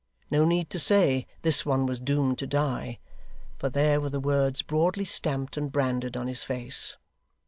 No need to say 'this one was doomed to die;' for there were the words broadly stamped and branded on his face.